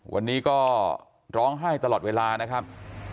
วันนี้ก็ร้องไห้ตลอดเวลานะครับ